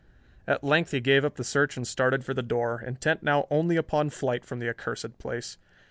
At length he gave up the search and started for the door, intent now only upon flight from the accursed place.